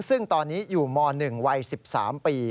ซึ่งตอนนี้อยู่ม๑วัย๑๓ปี